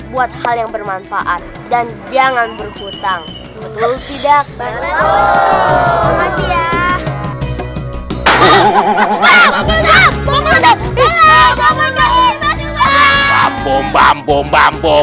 buat hal yang bermanfaat dan jangan berhutang betul tidak